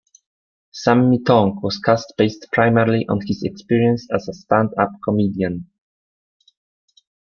Sammee Tong was cast based primarily on his experience as a stand-up comedian.